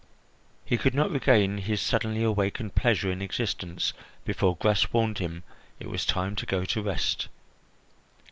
He could not regain his suddenly awakened pleasure in existence before Gras warned him it was time to go to rest.